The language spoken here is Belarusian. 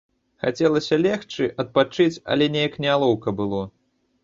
Хацелася легчы, адпачыць, але неяк нялоўка было.